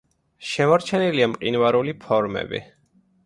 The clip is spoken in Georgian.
შემორჩენილია მყინვარული ფორმები.